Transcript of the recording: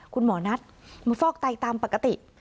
คุณหมอนัทมาฟอกไตตามปกติ